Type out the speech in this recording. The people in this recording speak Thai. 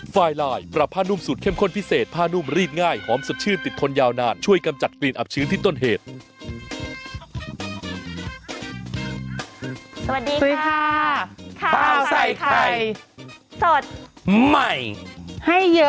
สวัสดีค่ะข้าวใส่ไข่สดใหม่ให้เยอะค่ะฮู้ฮู้ฮู้